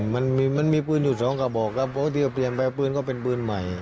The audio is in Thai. มันมีมันมีปืนอยู่สองกระบอกครับเพราะว่าเตรียมไปปืนก็เป็นปืนใหม่